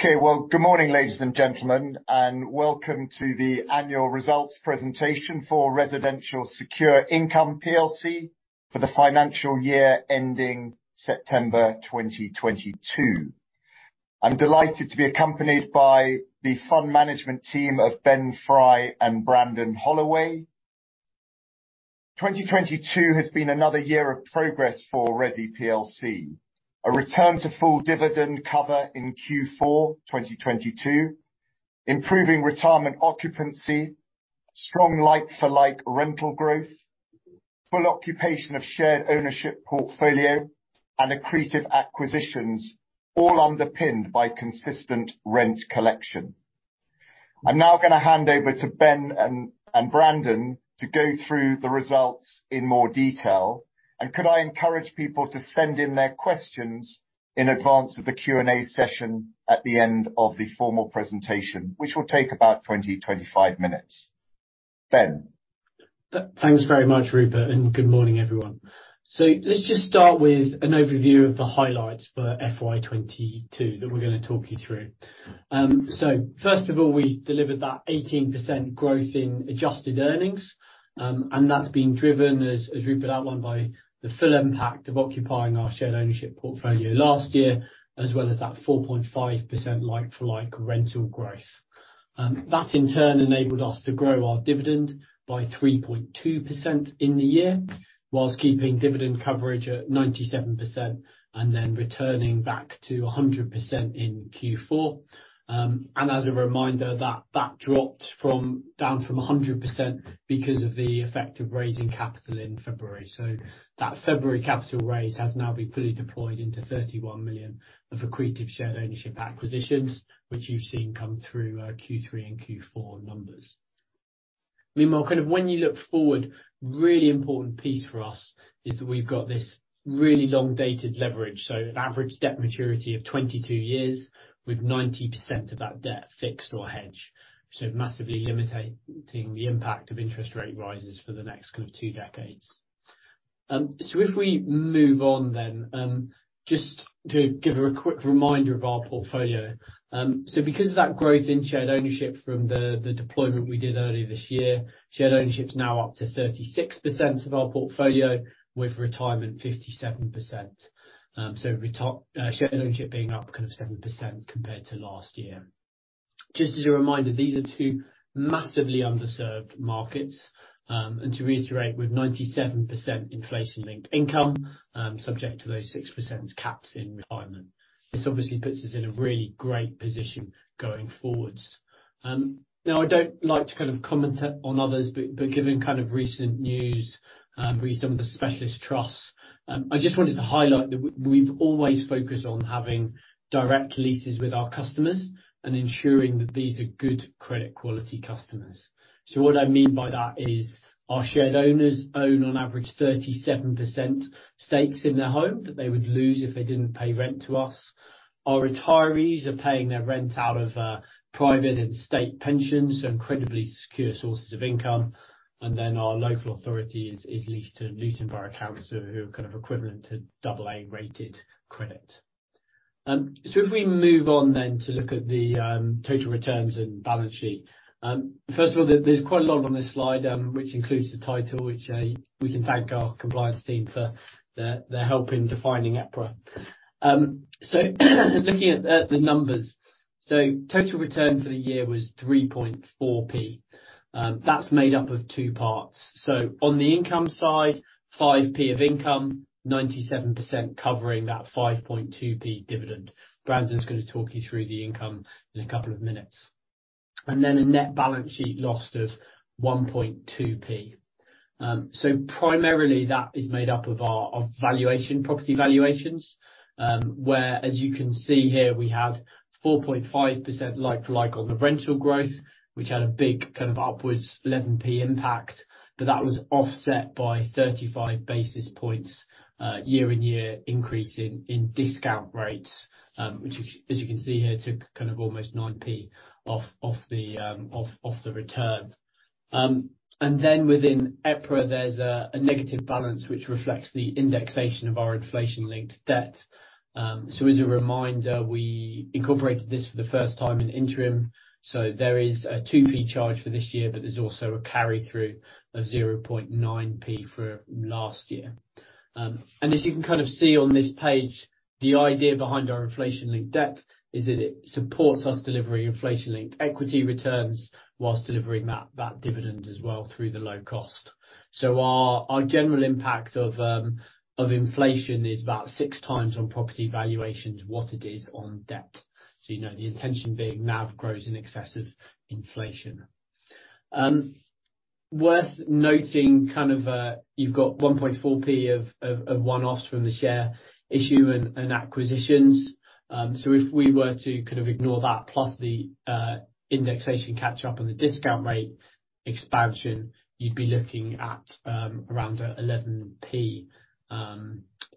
Okay. Well, good morning, ladies and gentlemen, and welcome to the annual results presentation for Residential Secure Income plc for the financial year ending September 2022. I'm delighted to be accompanied by the fund management team of Ben Fry and Brandon Hollihan. 2022 has been another year of progress for ReSI plc. A return to full dividend cover in Q4 2022, improving retirement occupancy, strong like-for-like rental growth, full occupation of Shared Ownership portfolio, and accretive acquisitions, all underpinned by consistent rent collection. I'm now gonna hand over to Ben and Brandon to go through the results in more detail, could I encourage people to send in their questions in advance of the Q&A session at the end of the formal presentation, which will take about 20-25 minutes. Ben. Thanks very much, Rupert, and good morning, everyone. Let's just start with an overview of the highlights for FY 2022 that we're gonna talk you through. First of all, we delivered that 18% growth in adjusted earnings, and that's been driven, as Rupert outlined, by the full impact of occupying our Shared Ownership portfolio last year, as well as that 4.5% like-for-like rental growth. That in turn enabled us to grow our dividend by 3.2% in the year whilst keeping dividend coverage at 97% and then returning back to 100% in Q4. As a reminder, that dropped from, down from 100% because of the effect of raising capital in February. That February capital raise has now been fully deployed into 31 million of accretive Shared Ownership acquisitions, which you've seen come through our Q3 and Q4 numbers. Meanwhile, kind of when you look forward, really important piece for us is that we've got this really long-dated leverage. An average debt maturity of 22 years with 90% of that debt fixed or hedged. Massively limiting the impact of interest rate rises for the next kind of two decades. If we move on, just to give a quick reminder of our portfolio. Because of that growth in Shared Ownership from the deployment we did earlier this year, Shared Ownership's now up to 36% of our portfolio with retirement, 57%. Shared Ownership being up kind of 7% compared to last year. Just as a reminder, these are two massively underserved markets. To reiterate, with 97% inflation-linked income, subject to those 6% caps in retirement. This obviously puts us in a really great position going forwards. Now, I don't like to kind of comment on others, but given kind of recent news, re some of the specialist trusts, I just wanted to highlight that we've always focused on having direct leases with our customers and ensuring that these are good credit quality customers. What I mean by that is our shared owners own on average 37% stakes in their home that they would lose if they didn't pay rent to us. Our retirees are paying their rent out of private and state pensions, so incredibly secure sources of income. Our local authority is leased to Luton Borough Council, who are kind of equivalent to double A-rated credit. If we move on then to look at the total returns and balance sheet. First of all, there's quite a lot on this slide, which includes the title, which we can thank our compliance team for their help in defining EPRA. Looking at the numbers. Total return for the year was GBP 3.4p. That's made up of two parts. On the income side, GBP 5p of income, 97% covering that GBP 5.2p dividend. Brandon's gonna talk you through the income in a couple of minutes. A net balance sheet loss of GBP 1.2p. Primarily that is made up of our, of valuation, property valuations, where, as you can see here, we had 4.5% like-for-like on the rental growth, which had a big kind of upwards 0.11 impact. That was offset by 35 basis points year-on-year increase in discount rates, which, as you can see here, took kind of almost 0.09 off the return. Then within EPRA, there's a negative balance which reflects the indexation of our inflation-linked debt. As a reminder, we incorporated this for the first time in the interim, so there is a 0.02 charge for this year, but there's also a carry-through of 0.009 for last year. As you can kind of see on this page, the idea behind our inflation-linked debt is that it supports us delivering inflation-linked equity returns while delivering that dividend as well through the low cost. Our general impact of inflation is about six times on property valuations what it is on debt. You know, the intention being NAV grows in excess of inflation. Worth noting, you've got 1.4p of one-offs from the share issue and acquisitions. If we were to ignore that, plus the indexation catch-up and the discount rate expansion, you'd be looking at around 11p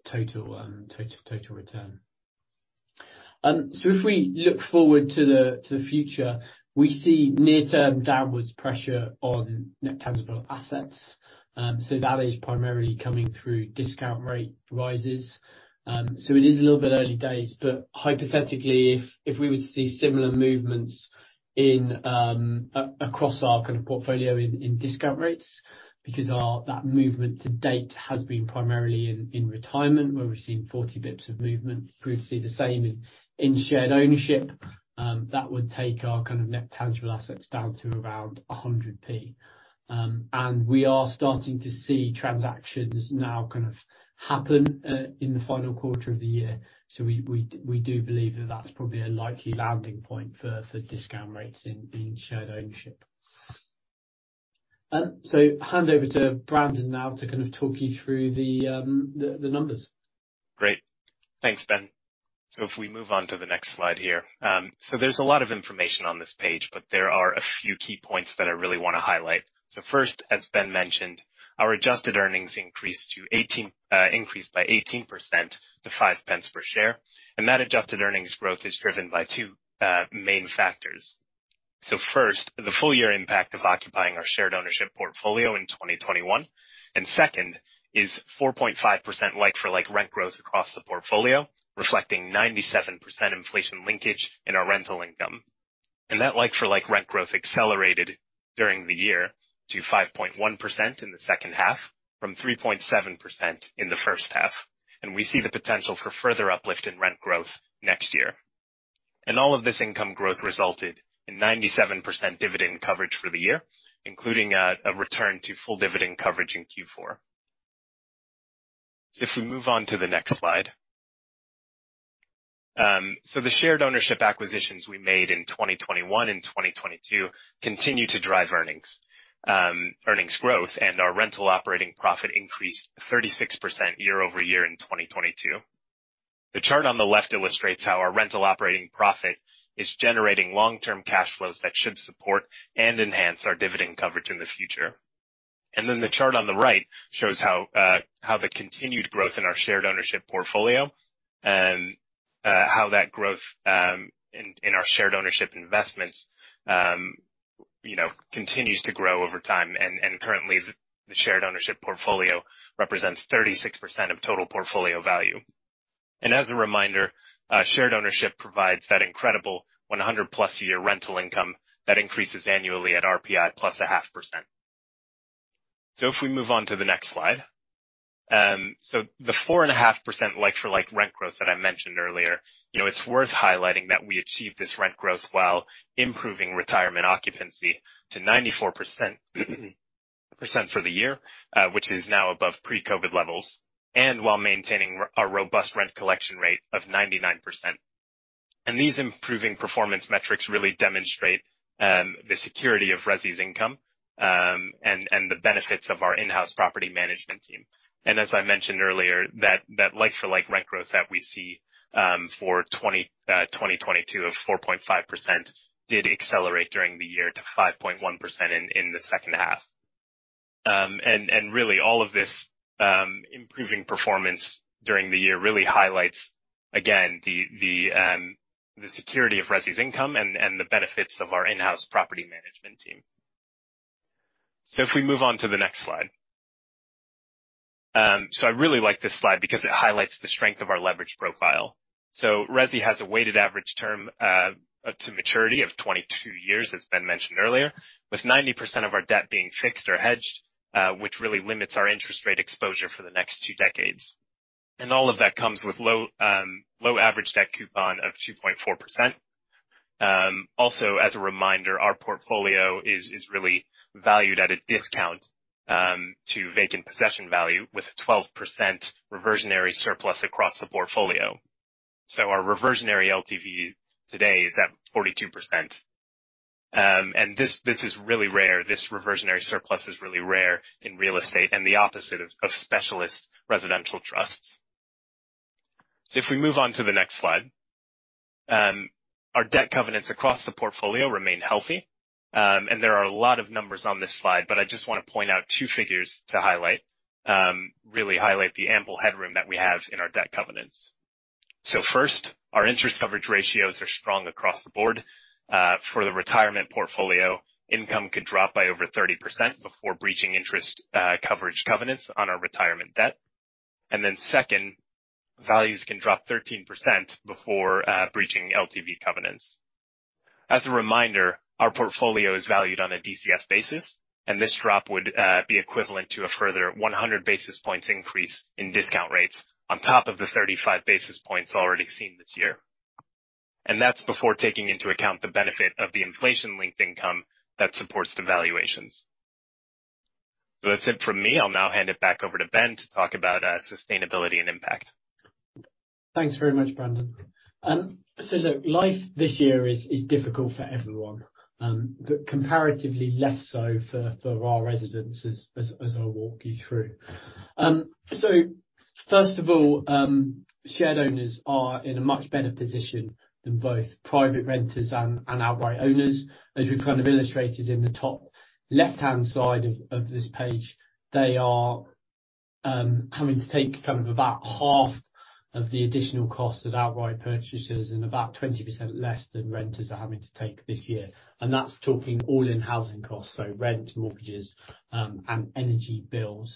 total return. If we look forward to the future, we see near-term downwards pressure on net tangible assets. That is primarily coming through discount rate rises. It is a little bit early days, but hypothetically, if we were to see similar movements across our kind of portfolio in discount rates, because that movement to date has been primarily in retirement, where we've seen 40 bips of movement. If we were to see the same in Shared Ownership, that would take our kind of net tangible assets down to around 100p. We are starting to see transactions now kind of happen in the final quarter of the year. We do believe that that's probably a likely landing point for discount rates in Shared Ownership. Hand over to Brandon now to kind of talk you through the numbers. Great. Thanks, Ben. If we move on to the next slide here. There's a lot of information on this page, but there are a few key points that I really wanna highlight. First, as Ben mentioned, our adjusted earnings increased by 18% to 0.05 per share. That adjusted earnings growth is driven by two main factors. First, the full year impact of occupying our Shared Ownership portfolio in 2021, second is 4.5% like-for-like rent growth across the portfolio, reflecting 97% inflation linkage in our rental income. That like-for-like rent growth accelerated during the year to 5.1% in the second half from 3.7% in the first half. We see the potential for further uplift in rent growth next year. All of this income growth resulted in 97% dividend coverage for the year, including a return to full dividend coverage in Q4. If we move on to the next slide. The Shared Ownership acquisitions we made in 2021 and 2022 continue to drive earnings growth, and our rental operating profit increased 36% year-over-year in 2022. The chart on the left illustrates how our rental operating profit is generating long-term cash flows that should support and enhance our dividend coverage in the future. The chart on the right shows how the continued growth in our Shared Ownership portfolio, how that growth in our Shared Ownership investments, you know, continues to grow over time. Currently the Shared Ownership portfolio represents 36% of total portfolio value. As a reminder, Shared Ownership provides that incredible 100 plus year rental income that increases annually at RPI plus a half %. If we move on to the next slide. The 4.5% like-for-like rent growth that I mentioned earlier, you know, it's worth highlighting that we achieved this rent growth while improving retirement occupancy to 94% for the year, which is now above pre-COVID levels, and while maintaining a robust rent collection rate of 99%. These improving performance metrics really demonstrate the security of ReSI's income and the benefits of our in-house property management team. As I mentioned earlier, that like-for-like rental growth that we see for 2022 of 4.5% did accelerate during the year to 5.1% in the second half. Really all of this improving performance during the year really highlights again the security of ReSI's income and the benefits of our in-house property management team. If we move on to the next slide. I really like this slide because it highlights the strength of our leverage profile. ReSI has a weighted average term to maturity of 22 years, as Ben mentioned earlier, with 90% of our debt being fixed or hedged, which really limits our interest rate exposure for the next two decades. All of that comes with low, low average debt coupon of 2.4%. Also, as a reminder, our portfolio is really valued at a discount to vacant possession value with a 12% reversionary surplus across the portfolio. Our reversionary LTV today is at 42%. This is really rare. This reversionary surplus is really rare in real estate and the opposite of specialist residential trusts. If we move on to the next slide. Our debt covenants across the portfolio remain healthy. There are a lot of numbers on this slide, but I just wanna point out two figures to highlight, really highlight the ample headroom that we have in our debt covenants. First, our interest coverage ratio are strong across the board. For the retirement portfolio, income could drop by over 30% before breaching interest coverage covenants on our retirement debt. Second, values can drop 13% before breaching LTV covenants. As a reminder, our portfolio is valued on a DCF basis, and this drop would be equivalent to a further 100 basis points increase in discount rates on top of the 35 basis points already seen this year. That's before taking into account the benefit of the inflation-linked income that supports the valuations. That's it from me. I'll now hand it back over to Ben to talk about sustainability and impact. Thanks very much, Brandon. Life this year is difficult for everyone, but comparatively less so for our residents as I'll walk you through. First of all, shared owners are in a much better position than both private renters and outright owners, as we've kind of illustrated in the top left-hand side of this page. They are having to take kind of about half of the additional cost of outright purchases and about 20% less than renters are having to take this year. That's talking all-in housing costs, so rent, mortgages, and energy bills.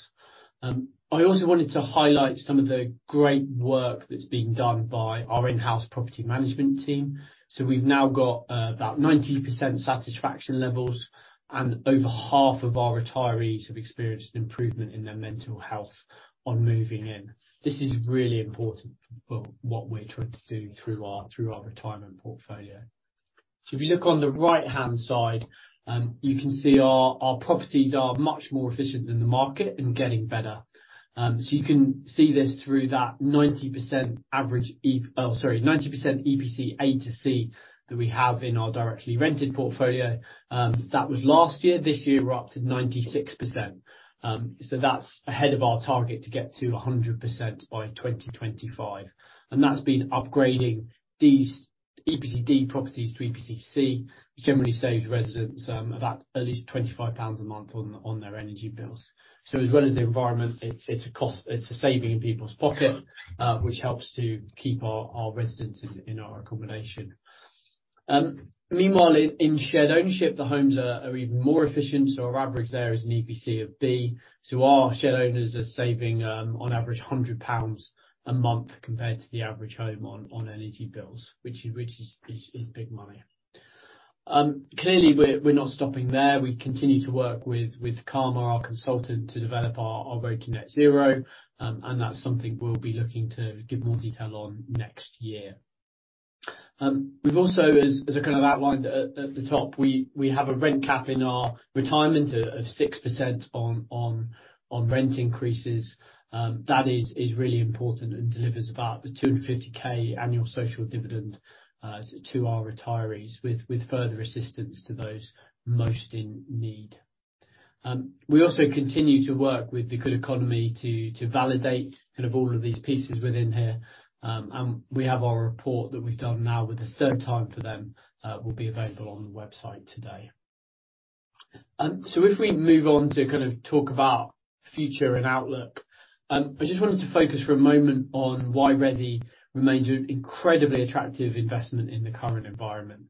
I also wanted to highlight some of the great work that's being done by our in-house property management team. We've now got about 90% satisfaction levels, and over half of our retirees have experienced an improvement in their mental health on moving in. This is really important for what we're trying to do through our retirement portfolio. If you look on the right-hand side, you can see our properties are much more efficient than the market and getting better. You can see this through that 90% average EPC A to C that we have in our directly rented portfolio. That was last year. This year, we're up to 96%. That's ahead of our target to get to 100% by 2025. That's been upgrading these EPCD properties to EPCC, which generally saves residents about at least 25 pounds a month on their energy bills. As well as the environment, it's a saving in people's pocket, which helps to keep our residents in our accommodation. Meanwhile, in Shared Ownership, the homes are even more efficient, so our average there is an EPC of B. Our shared owners are saving, on average 100 pounds a month compared to the average home on energy bills, which is big money. Clearly we're not stopping there. We continue to work with Calmar, our consultant, to develop our road to Net Zero, and that's something we'll be looking to give more detail on next year. We've also, as I kind of outlined at the top, we have a rent cap in our retirement of 6% on rent increases. That is really important and delivers about the 250K annual social dividend to our retirees, with further assistance to those most in need. We also continue to work with The Good Economy to validate kind of all of these pieces within here. We have our report that we've done now with the third time for them, will be available on the website today. If we move on to kind of talk about future and outlook, I just wanted to focus for a moment on why ReSI remains an incredibly attractive investment in the current environment.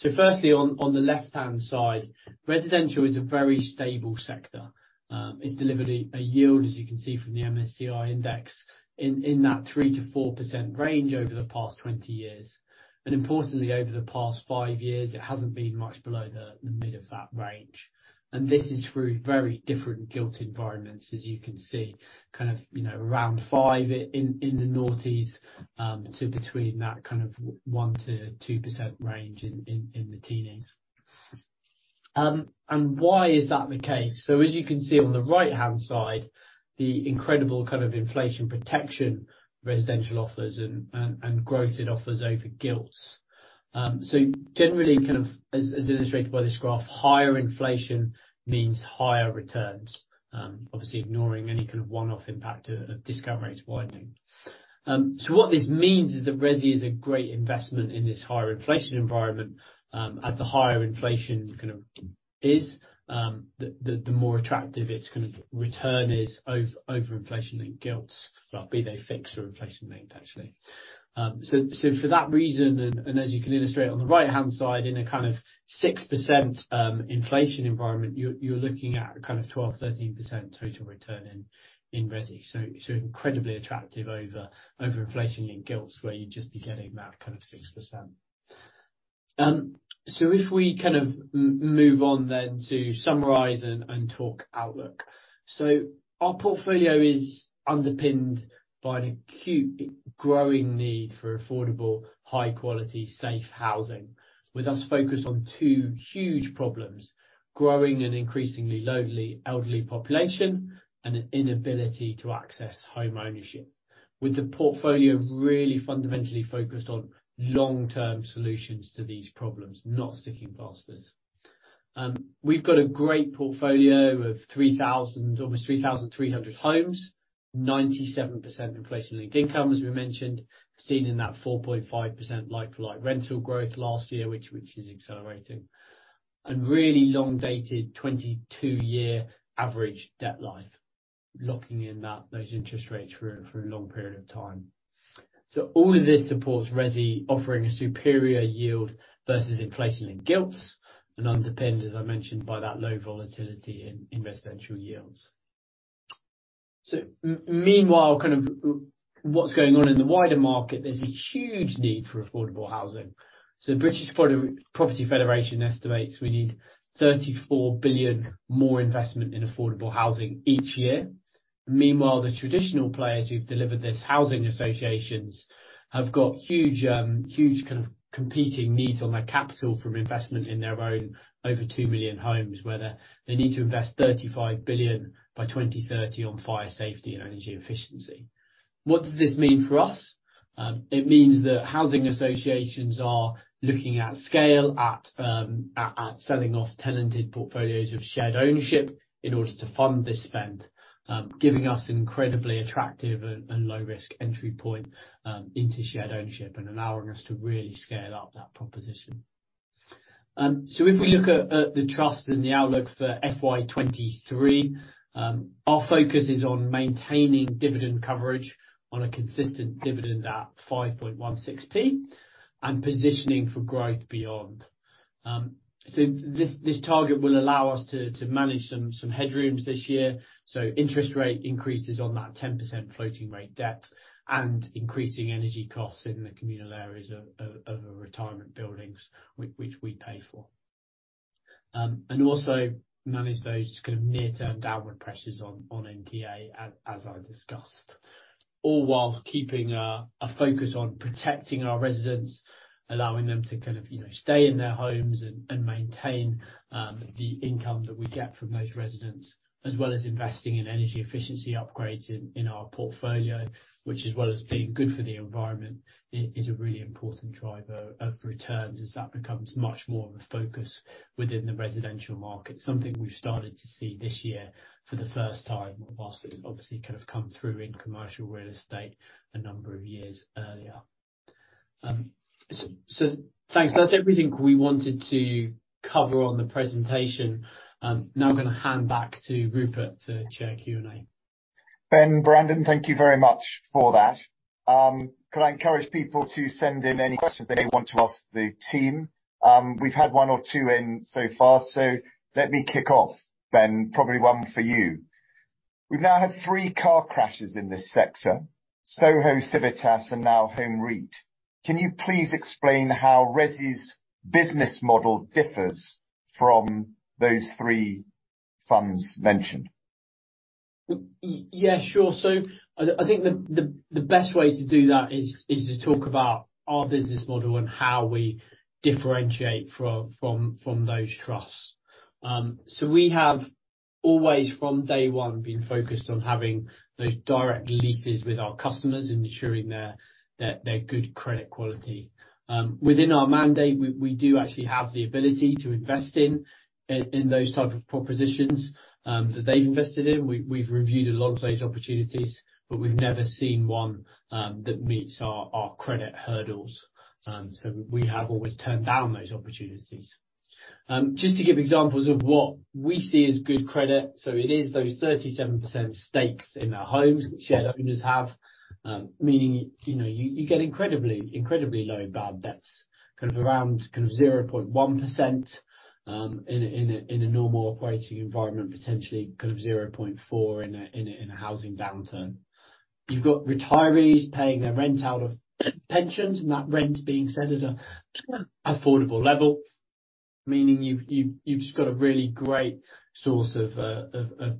Firstly, on the left-hand side, residential is a very stable sector. It's delivered a yield, as you can see from the MSCI index, in that 3%-4% range over the past 20 years. Importantly, over the past five years, it hasn't been much below the mid of that range. This is through very different gilt environments, as you can see, you know, around five in the noughties, to between that 1%-2% range in the teenies. Why is that the case? As you can see on the right-hand side, the incredible inflation protection residential offers and growth it offers over gilts. Generally, as illustrated by this graph, higher inflation means higher returns, obviously ignoring any one-off impact of discount rates widening. What this means is that ReSI is a great investment in this higher inflation environment, as the higher inflation kind of is, the more attractive its kind of return is over inflation than gilts, be they fixed or inflation-linked, actually. For that reason, as you can illustrate on the right-hand side, in a kind of 6% inflation environment, you're looking at a kind of 12%-13% total return in ReSI. Incredibly attractive over inflation in gilts, where you'd just be getting that kind of 6%. If we kind of move on then to summarize and talk outlook. Our portfolio is underpinned by an acute growing need for affordable, high-quality, safe housing, with us focused on two huge problems: growing an increasingly lonely elderly population and an inability to access homeownership. With the portfolio really fundamentally focused on long-term solutions to these problems, not sticking plasters. We've got a great portfolio of almost 3,300 homes, 97% inflation-linked income, as we mentioned. Seen in that 4.5% like-for-like rental growth last year, which is accelerating. A really long-dated 22-year average debt life, locking in those interest rates for a long period of time. All of this supports ReSI offering a superior yield versus inflation in gilts and underpinned, as I mentioned, by that low volatility in residential yields. Meanwhile, what's going on in the wider market, there's a huge need for affordable housing. The British Property Federation estimates we need 34 billion more investment in affordable housing each year. Meanwhile, the traditional players who've delivered this, housing associations, have got huge competing needs on their capital from investment in their own over 2 million homes, where they need to invest 35 billion by 2030 on fire safety and energy efficiency. What does this mean for us? It means that housing associations are looking at scale at selling off tenanted portfolios of Shared Ownership in order to fund this spend, giving us an incredibly attractive and low-risk entry point into Shared Ownership and allowing us to really scale up that proposition. If we look at the trust and the outlook for FY 2023, our focus is on maintaining dividend coverage on a consistent dividend at 5.16p and positioning for growth beyond. This target will allow us to manage some headrooms this year, so interest rate increases on that 10% floating rate debt and increasing energy costs in the communal areas of our retirement buildings which we pay for. Also manage those kind of near-term downward pressures on MTA as I discussed, all while keeping a focus on protecting our residents, allowing them to kind of, you know, stay in their homes and maintain the income that we get from those residents, as well as investing in energy efficiency upgrades in our portfolio, which as well as being good for the environment, is a really important driver of returns as that becomes much more of a focus within the residential market, something we've started to see this year for the first time, whilst it's obviously kind of come through in commercial real estate a number of years earlier. Thanks. That's everything we wanted to cover on the presentation. Now I'm gonna hand back to Rupert to chair Q&A. Ben, Brandon, thank you very much for that. Could I encourage people to send in any questions they want to ask the team? We've had one or two in so far. Let me kick off then. Probably one for you. We've now had three car crashes in this sector, SOHO, Civitas, and now Home REIT. Can you please explain how ReSI's business model differs from those three funds mentioned? Yeah, sure. I think the best way to do that is to talk about our business model and how we differentiate from those trusts. We have always, from day one, been focused on having those direct leases with our customers and ensuring their good credit quality. Within our mandate, we do actually have the ability to invest in those type of propositions that they've invested in. We've reviewed a lot of those opportunities, but we've never seen one that meets our credit hurdles. We have always turned down those opportunities. Just to give examples of what we see as good credit, so it is those 37% stakes in their homes that shared owners have, meaning, you know, you get incredibly low bad debts, around 0.1% in a normal operating environment, potentially 0.4% in a housing downturn. You've got retirees paying their rent out of pensions and that rent being set at a affordable level, meaning you've just got a really great source of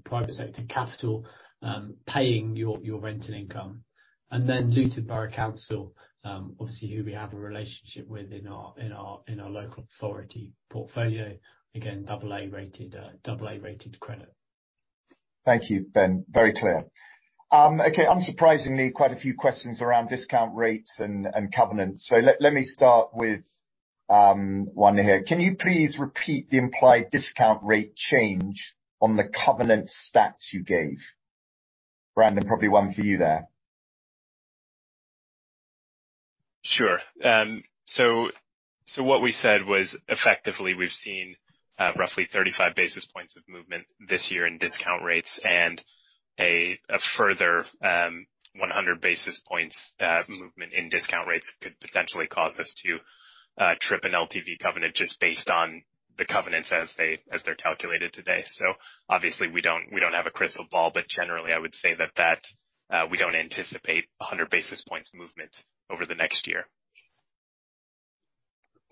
private sector capital paying your rental income. Luton Borough Council, obviously who we have a relationship with in our local authority portfolio, again, double A-rated credit. Thank you, Ben. Very clear. Okay, unsurprisingly, quite a few questions around discount rates and covenants. Let me start with one here. Can you please repeat the implied discount rate change on the covenant stats you gave? Brandon, probably one for you there. Sure. What we said was effectively we've seen roughly 35 basis points of movement this year in discount rates and a further 100 basis points movement in discount rates could potentially cause us to trip an LTV covenant just based on the covenants as they're calculated today. Obviously we don't have a crystal ball, but generally I would say that we don't anticipate 100 basis points movement over the next year.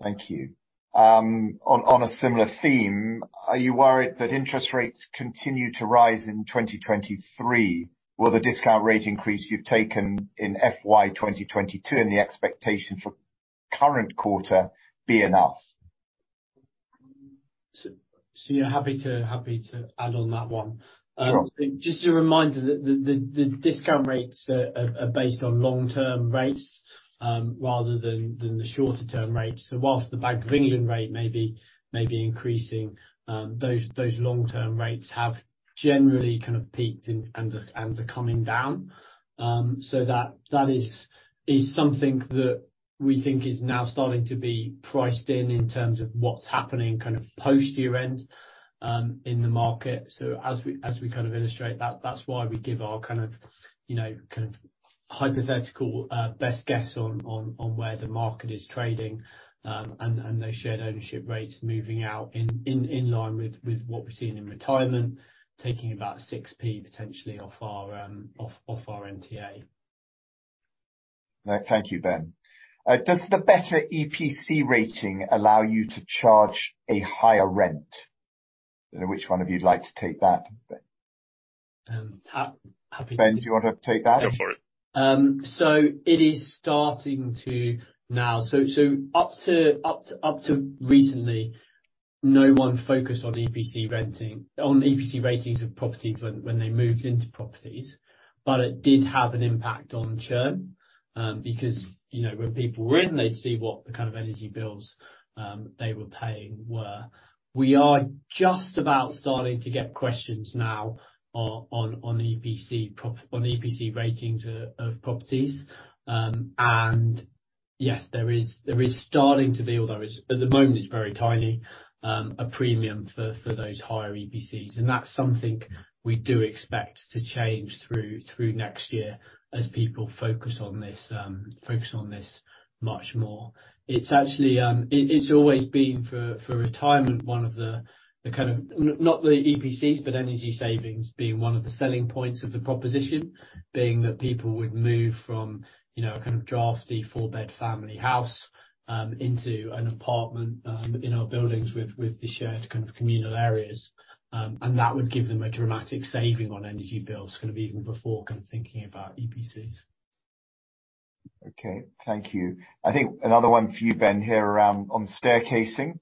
Thank you. On a similar theme, are you worried that interest rates continue to rise in 2023? Will the discount rate increase you've taken in FY 2022 and the expectation for current quarter be enough? Yeah, happy to add on that one. Sure. Just a reminder that the discount rates are based on long-term rates rather than the shorter term rates. Whilst the Bank of England rate may be increasing, those long-term rates have generally kind of peaked and are coming down. That is something that we think is now starting to be priced in in terms of what's happening kind of post year-end in the market. As we kind of illustrate that's why we give our kind of, you know, hypothetical best guess on where the market is trading, and those shared ownership rates moving out in line with what we're seeing in retirement, taking about 6p potentially off our off our MTA. Thank you, Ben. Does the better EPC rating allow you to charge a higher rent? Don't know which one of you'd like to take that. happy to. Ben, do you want to take that? Go for it. It is starting to now. Up to recently, no one focused on EPC ratings of properties when they moved into properties, but it did have an impact on churn, because, you know, when people were in, they'd see what the kind of energy bills they were paying were. We are just about starting to get questions now on EPC ratings of properties. Yes, there is starting to be, although it's, at the moment it's very tiny, a premium for those higher EPCs, and that's something we do expect to change through next year as people focus on this, focus on this much more. It's actually, It's always been for retirement one of the kind of... Not the EPCs, but energy savings being one of the selling points of the proposition, being that people would move from, you know, a kind of drafty four-bed family house, into an apartment, in our buildings with the shared kind of communal areas. That would give them a dramatic saving on energy bills kind of even before kind of thinking about EPCs. Okay, thank you. I think another one for you, Ben, here around on staircasing.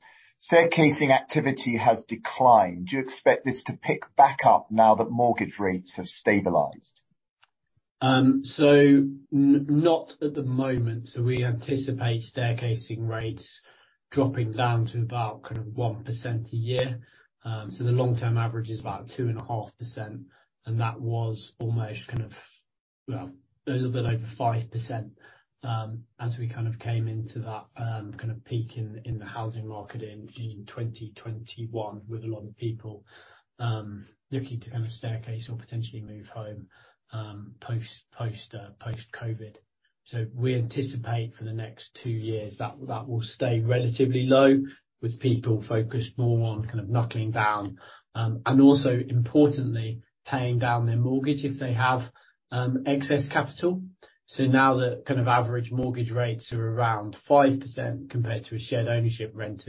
Staircasing activity has declined. Do you expect this to pick back up now that mortgage rates have stabilized? not at the moment. We anticipate staircasing rates dropping down to about kind of 1% a year. The long-term average is about 2.5%, and that was almost kind of, well, a little bit over 5%, as we came into that peak in the housing market in 2021 with a lot of people looking to kind of staircase or potentially move home post-COVID. We anticipate for the next two years that will stay relatively low, with people focused more on kind of knuckling down and also importantly, paying down their mortgage if they have excess capital. Now that kind of average mortgage rates are around 5% compared to a Shared Ownership rent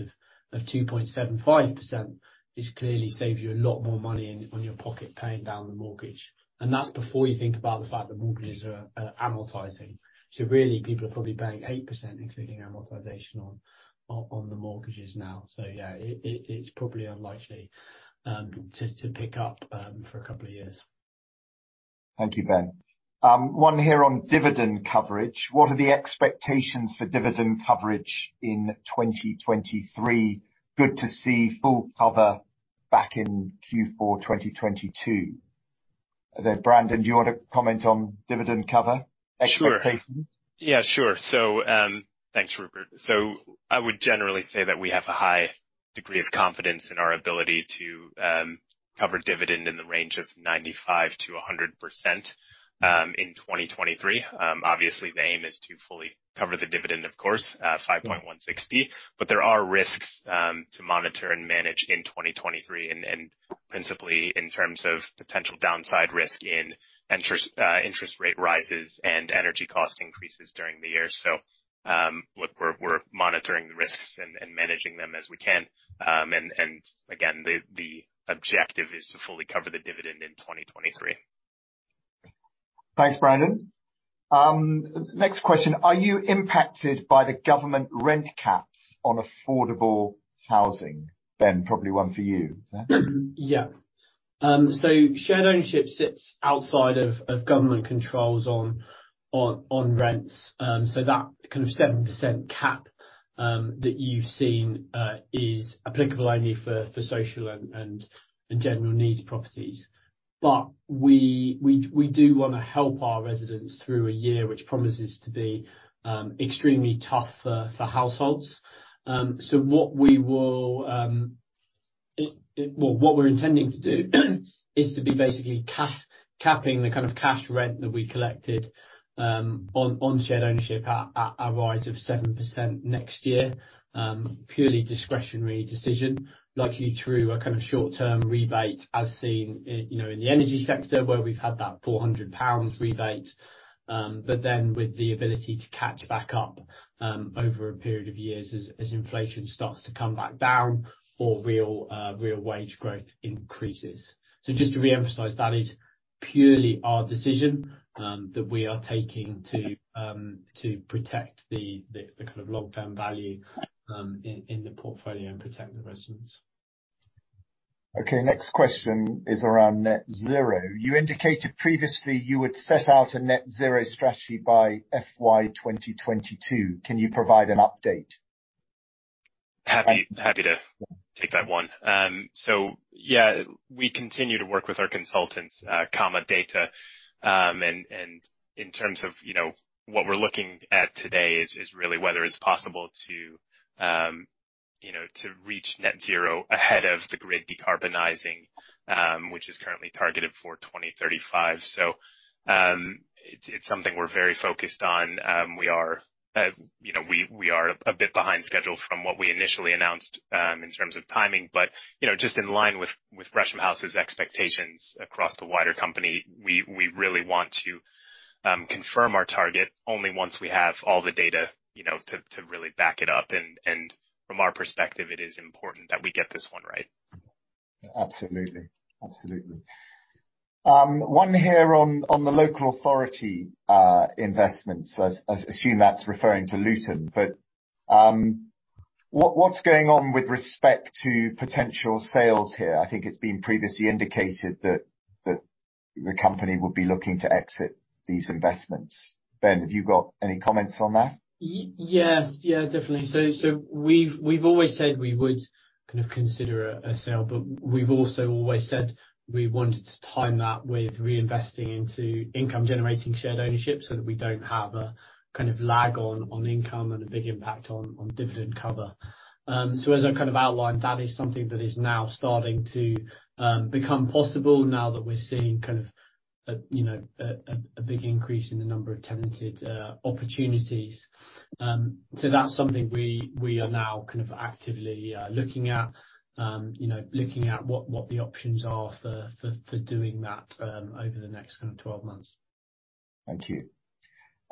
of 2.75%, it clearly saves you a lot more money on your pocket paying down the mortgage. That's before you think about the fact that mortgages are amortizing. Really people are probably paying 8% including amortization on the mortgages now. Yeah, it's probably unlikely to pick up for a couple of years. Thank you, Ben. One here on dividend coverage. What are the expectations for dividend coverage in 2023? Good to see full cover back in Q4 2022. Brandon, do you wanna comment on dividend cover expectation? Sure. Yeah, sure. Thanks, Rupert. I would generally say that we have a high degree of confidence in our ability to cover dividend in the range of 95%-100% in 2023. Obviously the aim is to fully cover the dividend, of course, 5.16p. There are risks to monitor and manage in 2023, and principally in terms of potential downside risk in interest rate rises and energy cost increases during the year. Look, we're monitoring the risks and managing them as we can. Again, the objective is to fully cover the dividend in 2023. Thanks, Brandon. Next question. Are you impacted by the government rent caps on affordable housing? Ben, probably one for you, sir. Shared Ownership sits outside of government controls on rents. That kind of 7% cap that you've seen is applicable only for social and general needs properties. We do wanna help our residents through a year, which promises to be extremely tough for households. Well, what we're intending to do is to be basically capping the kind of cash rent that we collected on Shared Ownership at a rise of 7% next year. Purely discretionary decision, likely through a kind of short-term rebate as seen you know, in the energy sector where we've had that 400 pounds rebate. With the ability to catch back up over a period of years as inflation starts to come back down or real wage growth increases. Just to reemphasize, that is purely our decision that we are taking to protect the, the kind of long-term value in the portfolio and protect the residents. Okay, next question is around Net Zero. You indicated previously you would set out a Net Zero strategy by FY 2022. Can you provide an update? Happy to take that one. Yeah, we continue to work with our consultants, Comma. In terms of, you know, what we're looking at today is really whether it's possible to, you know, to reach Net Zero ahead of the grid decarbonizing, which is currently targeted for 2035. It's something we're very focused on. We are, you know, we are a bit behind schedule from what we initially announced in terms of timing. You know, just in line with Gresham House's expectations across the wider company, we really want to confirm our target only once we have all the data, you know, to really back it up. From our perspective, it is important that we get this one right. Absolutely. Absolutely. One here on the local authority investments. I assume that's referring to Luton. What's going on with respect to potential sales here? I think it's been previously indicated that the company would be looking to exit these investments. Ben, have you got any comments on that? Yes. Yeah, definitely. We've always said we would kind of consider a sale, but we've also always said we wanted to time that with reinvesting into income-generating Shared Ownership so that we don't have a kind of lag on income and a big impact on dividend cover. As I kind of outlined, that is something that is now starting to become possible now that we're seeing kind of a, you know, a big increase in the number of tenanted opportunities. That's something we are now kind of actively looking at. You know, looking at what the options are for doing that over the next kind of 12 months. Thank you.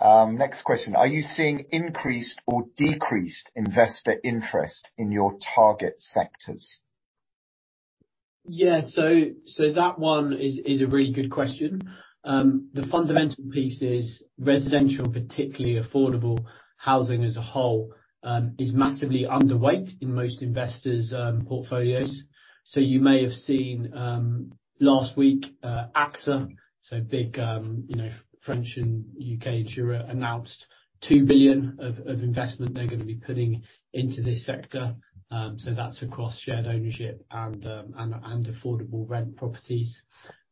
Next question: Are you seeing increased or decreased investor interest in your target sectors? Yeah. That one is a really good question. The fundamental piece is residential, particularly affordable housing as a whole, is massively underweight in most investors' portfolios. So you may have seen last week, AXA, so a big French and UK insurer, announced 2 billion of investment they're going to be putting into this sector. So that's across Shared Ownership and affordable rent properties.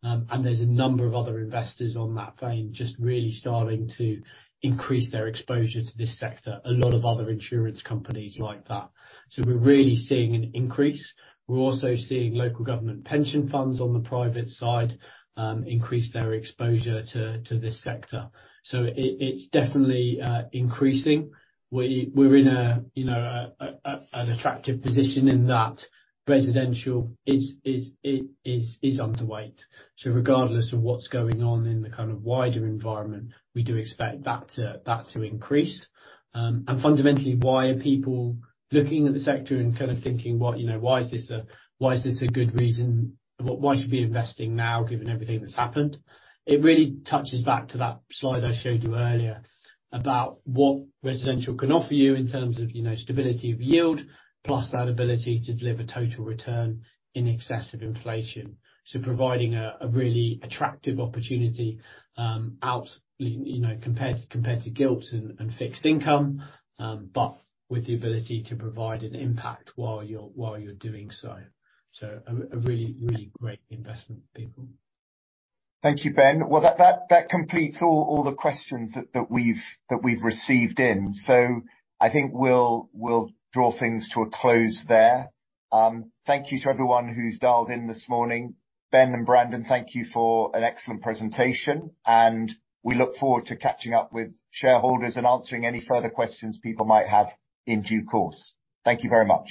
And there's a number of other investors on that vein just really starting to increase their exposure to this sector. A lot of other insurance companies like that. So we're really seeing an increase. We're also seeing local government pension funds on the private side, increase their exposure to this sector. So it's definitely increasing. We're in a, you know, an attractive position in that residential is underweight. Regardless of what's going on in the kind of wider environment, we do expect that to, that to increase. Fundamentally, why are people looking at the sector and kind of thinking what, you know, why should we be investing now given everything that's happened? It really touches back to that slide I showed you earlier about what residential can offer you in terms of, you know, stability of yield, plus that ability to deliver total return in excess of inflation. Providing a really attractive opportunity, out, you know, compared to, compared to gilts and fixed income, but with the ability to provide an impact while you're, while you're doing so. A really great investment people. Thank you, Ben. Well, that completes all the questions that we've received in. I think we'll draw things to a close there. Thank you to everyone who's dialed in this morning. Ben and Brandon, thank you for an excellent presentation, and we look forward to catching up with shareholders and answering any further questions people might have in due course. Thank you very much.